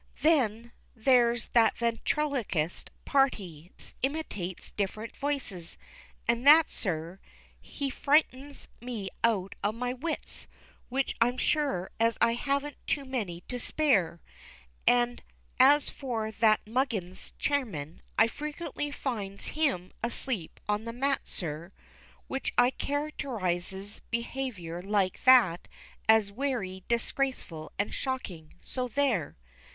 Than there's that ventrillikist party, as imitates different voices, and that, sir, He frightens me out of my wits, which I'm sure as I haven't too many to spare; And as for that Muggins's chairman, I frequently finds him asleep on the mat, sir, Which I characterises behaviour like that as werry disgraceful and shocking so there!